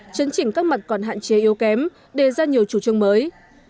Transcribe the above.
chấn chỉnh các mặt còn hạn chế yếu kém đề ra nhiều chủ trương mới